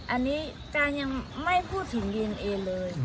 อันนี้ใกล้ยังไม่ถึงดีเอนเอเลย